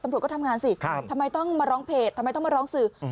ตำรวจก็ทำงานสิทำไมต้องมาร้องเพจทำไมต้องมาร้องสื่อ